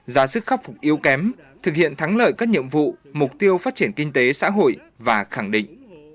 ra sức khắc phục yếu kém thực hiện thắng lợi các nhiệm vụ mục tiêu phát triển kinh tế xã hội và khẳng định